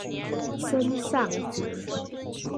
森尚子。